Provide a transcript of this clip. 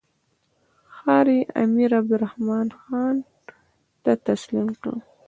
ښار یې امیر عبدالرحمن خان ته تسلیم کړ.